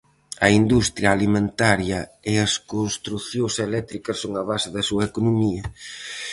A industria alimentaria e as construcións eléctricas son a base da súa economía.